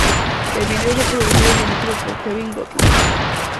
El video fue producido y dirigido por Kevin Godley.